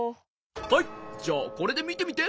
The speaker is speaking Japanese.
はいじゃあこれでみてみて。